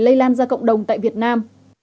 lây lan ra cộng đồng tại việt nam